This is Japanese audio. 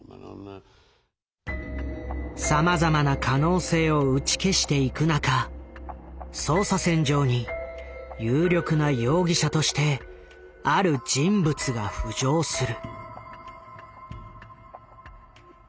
さまざまな可能性を打ち消していく中捜査線上に有力な容疑者としてある人物が浮上する。